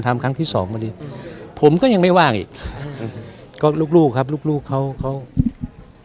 ครั้งที่สองมานี่ผมก็ยังไม่ว่างอีกก็ลูกลูกครับลูกลูกเขาเขา